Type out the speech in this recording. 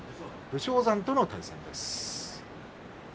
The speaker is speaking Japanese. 武将山との対戦です。